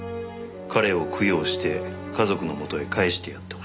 「彼を供養して家族の元へ帰してやって欲しい」